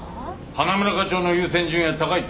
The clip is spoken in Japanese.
花村課長の優先順位が高いって事さ。